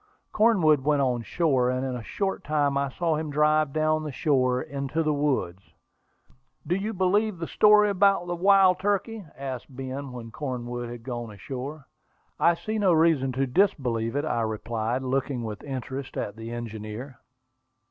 Cornwood went on shore, and in a short time I saw him drive down the shore into the woods. "Do you believe that story about the wild turkey?" asked Ben, when Cornwood had gone ashore. "I see no reason to disbelieve it," I replied, looking with interest at the engineer.